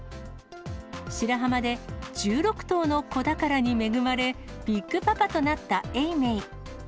白浜で１６頭の子宝に恵まれ、ビッグパパとなった永明。